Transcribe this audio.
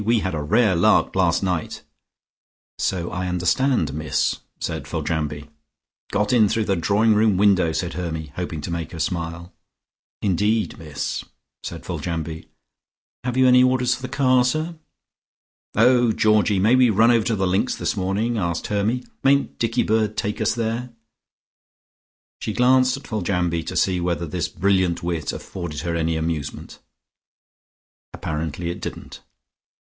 "We had a rare lark last night." "So I understand, miss," said Foljambe. "Got in through the drawing room window," said Hermy, hoping to make her smile. "Indeed, miss," said Foljambe. "Have you any orders for the car, sir?" "Oh, Georgie, may we run over to the links this morning?" asked Hermy. "Mayn't Dickie bird take us there?" She glanced at Foljambe to see whether this brilliant wit afforded her any amusement. Apparently it didn't.